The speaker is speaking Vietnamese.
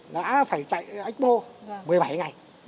nó phải chạy ách mô một mươi bảy ngày